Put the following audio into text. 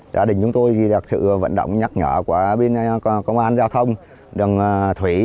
gia đình chúng tôi được sự vận động nhắc nhở của bên công an giao thông đường thủy